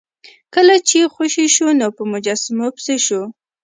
کله چې خوشې شو نو په مجسمو پسې شو.